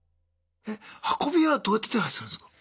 運び屋はどうやって手配するんすか？